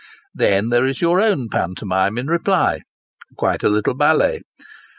Then there is your own pantomime in reply quite a little ballet.